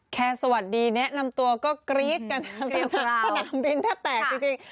สวัสดีแนะนำตัวก็กรี๊ดกันสนามบินแทบแตกจริง